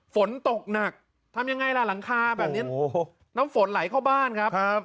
ฝนตกหนักทำยังไงล่ะหลังคาแบบนี้น้ำฝนไหลเข้าบ้านครับ